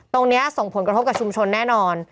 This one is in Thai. ตรงนี้ส่งผลกระทบกับชุมชนแน่นอน